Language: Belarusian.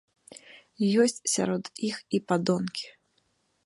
Ёсць сярод іх і падонкі.